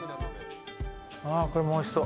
これもおいしそう。